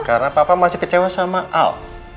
karena papa masih kecewa sama al